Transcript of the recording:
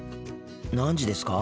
何時ですか？